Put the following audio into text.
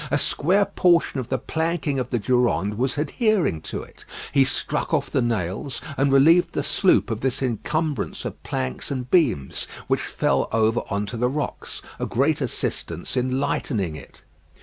A square portion of the planking of the Durande was adhering to it; he struck off the nails and relieved the sloop of this encumbrance of planks and beams; which fell over on to the rocks a great assistance in lightening it.